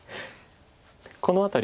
この辺り。